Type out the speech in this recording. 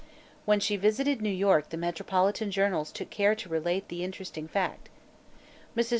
When she visited New York the metropolitan journals took care to relate the interesting fact. Mrs.